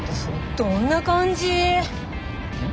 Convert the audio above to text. どんな感じっ！？